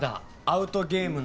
アウトゲーム？